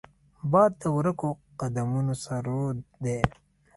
باد د ورکو قدمونو سرود دی